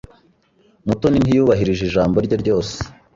Mutoni ntiyubahirije ijambo rye rwose.